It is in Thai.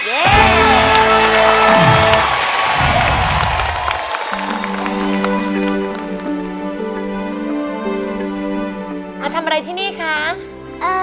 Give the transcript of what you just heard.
ทำอะไรที่นี่คะ